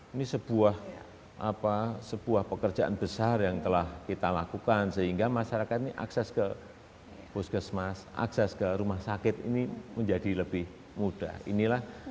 ini sebuah pekerjaan besar yang telah kita lakukan sehingga masyarakat ini akses ke puskesmas akses ke rumah sakit ini menjadi lebih mudah